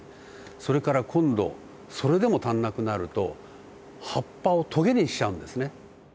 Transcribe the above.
それから今度それでも足んなくなると葉っぱをトゲにしちゃうんですね。